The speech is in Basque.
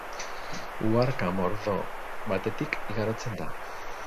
Uharka mordo batetik igarotzen da.